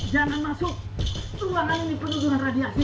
jangan masuk ruangan ini penuh dengan radiasi